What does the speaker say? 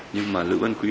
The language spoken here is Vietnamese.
nhưng mà lữ văn quý